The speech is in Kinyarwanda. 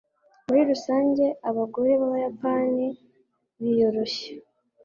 muri rusange, abagore b'abayapani biyoroshya